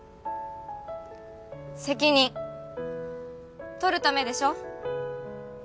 責任取るためでしょ？